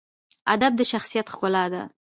ادب د شخصیت ښکلا ده.